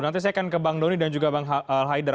nanti saya akan ke bang doni dan juga bang al haidar